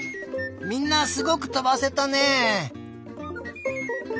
みんなすごくとばせたね！